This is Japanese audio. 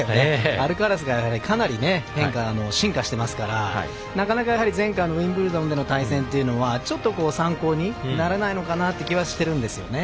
アルカラスがかなり変化、進化してますからなかなか前回でのウィンブルドンでの対戦というのはちょっと参考にならないのかなっていう気はしてるんですよね。